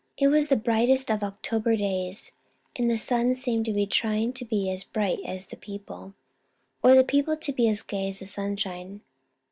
It was the brightest of October days, and the sun seemed to be trying to be as bright as the people, or the people to be as gay as the sunshine.